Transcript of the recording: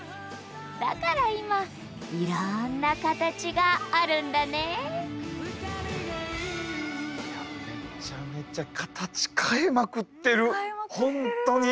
だから今いろんなカタチがあるんだねめちゃめちゃカタチ変えまくってるほんとに。